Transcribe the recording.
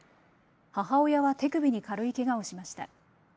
母親は手首に軽いけがをしました。